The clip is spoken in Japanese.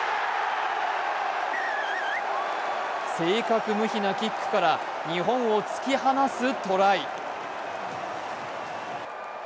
正確無比なキックから日本を突き放すトライ。